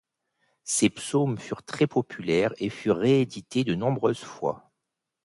Ses psaumes furent très populaires et furent réédités de nombreuses fois.